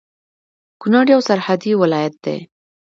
کونړ يو سرحدي ولايت دی